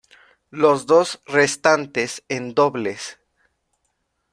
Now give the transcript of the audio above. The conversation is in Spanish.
Los dos restantes en dobles.